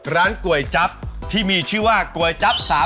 ร้านกล้วยจั๊บที่มีชื่อว่ากล้วยจั๊บ๓ทุ่ม